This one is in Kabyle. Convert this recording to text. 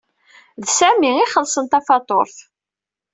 D Sami i ixellṣen tafatuṛt.